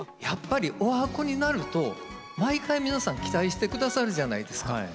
やっぱりおはこになると毎回皆さん期待して下さるじゃないですか。